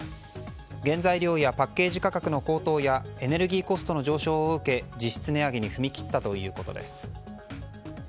原材料やパッケージ価格の高騰やエネルギーコストの上昇を受け実質値上げに踏み切ったということです。